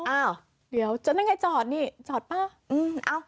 อ้าวเดี๋ยวจะได้ยังไงจอดนี่จอดป่ะ